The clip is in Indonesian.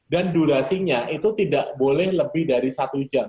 dan durasinya itu tidak boleh lebih dari satu jam